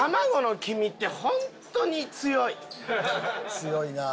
強いな。